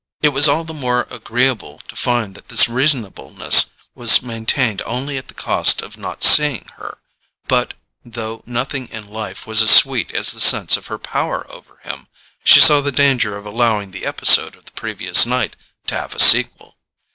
It was all the more agreeable to find that this reasonableness was maintained only at the cost of not seeing her; but, though nothing in life was as sweet as the sense of her power over him, she saw the danger of allowing the episode of the previous night to have a sequel.